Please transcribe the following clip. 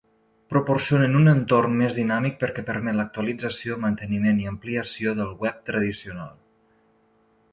Proporcionen un entorn més dinàmic perquè permet l’actualització, manteniment i ampliació del web tradicional.